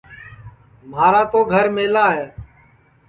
مھارا تو گھر میلا ہے